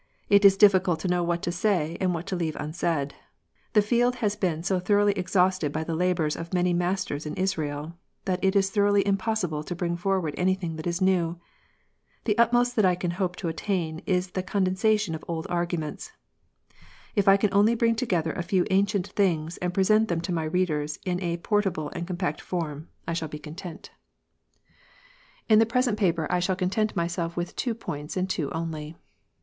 It is difficult to know what to say, and what to leave unsaid. The field has been so thoroughly exhausted by the labours of many masters in Israel, that it is literally impossible to bring forward anything that is new. The utmost that I can hope to attain is the con densation of old arguments. If I can only bring together a few ancient things, and present them to my readers in a portable and compact form, I shall be content. 163 164 KNOTS UNTIED. In the present paper I shall content myself with two points, and two only.